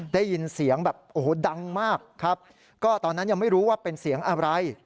ได้ยินเสียงแบบโอ้โหดังมากครับก็ตอนนั้นยังไม่รู้ว่าเป็นเสียงอะไร